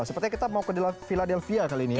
sepertinya kita mau ke dalam philadelphia kali ini ya